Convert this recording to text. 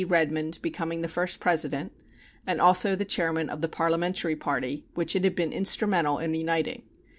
Redmond becoming the first president, and also the chairman of the Parliamentary Party which it had been instrumental in uniting.